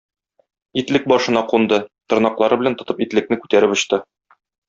Итлек башына кунды, тырнаклары белән тотып итлекне күтәреп очты.